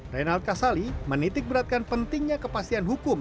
reynald kasali menitik beratkan pentingnya kepastian hukum